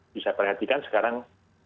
bisa perhatikan sekarang